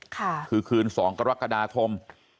คือคืน๒กรกฎาคม